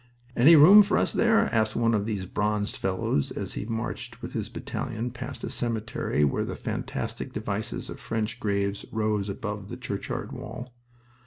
"Any room for us there?" asked one of these bronzed fellows as he marched with his battalion past a cemetery where the fantastic devices of French graves rose above the churchyard wall.